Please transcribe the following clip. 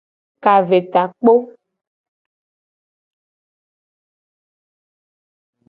Kavetakpo.